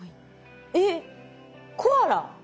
えっコアラ。